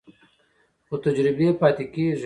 خو تجربې پاتې کېږي.